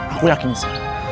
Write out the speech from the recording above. aku yakin sel